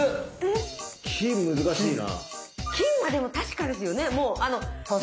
金難しいな。